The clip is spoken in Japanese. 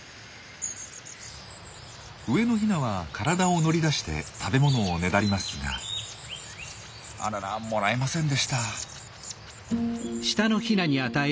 上のヒナは体を乗り出して食べ物をねだりますがあららもらえませんでした。